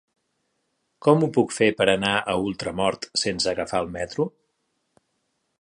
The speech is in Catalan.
Com ho puc fer per anar a Ultramort sense agafar el metro?